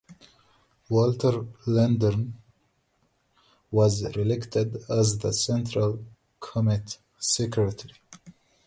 Walter Lindner was reelected as the Central Committee Secretary.